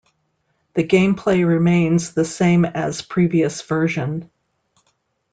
The gameplay remains the same as previous version.